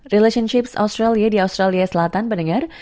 relationships australia di australia selatan mendengar